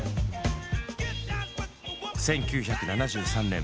１９７３年